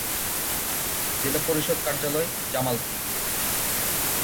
জেলা পরিষদ কার্যালয়, জামালপুর।